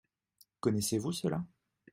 Connaissez-vous cela ?